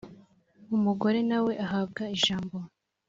umugore na we ahabwa ijambo